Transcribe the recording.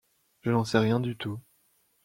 Je n’en sais rien du tout.